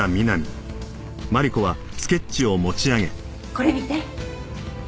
これ見て。